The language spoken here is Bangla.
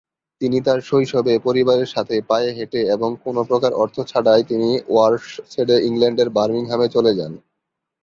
তিনি তার শৈশবে পরিবারের সাথে পায়ে হেঁটে এবং কোনো প্রকার অর্থ ছাড়াই তিনি ওয়ারশ ছেড়ে ইংল্যান্ডের বার্মিংহামে চলে যান।